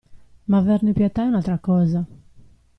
Ma averne pietà è un'altra cosa!